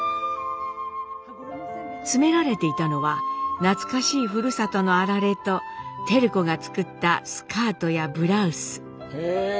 詰められていたのは懐かしいふるさとのあられと照子が作ったスカートやブラウス。